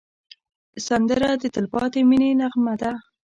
سندره د تل پاتې مینې نغمه ده